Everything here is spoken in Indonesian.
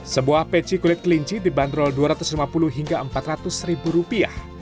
sebuah peci kulit kelinci dibanderol dua ratus lima puluh hingga empat ratus ribu rupiah